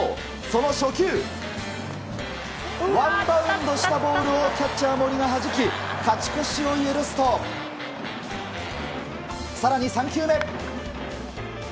その初球ワンバウンドしたボールをキャッチャー、森がはじき勝ち越しを許すと更に３球目。